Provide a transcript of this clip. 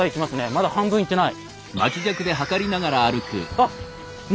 まだ半分いってない。